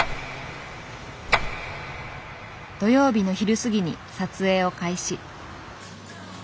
土曜日の昼過ぎに撮影を開始。